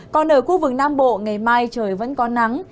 còn ở khu vực nam bộ ngày mai trời vẫn có nắng